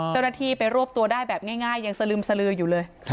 เจ้าหน้าที่ไปรวบตัวได้แบบง่ายยังสลึมสลืออยู่เลย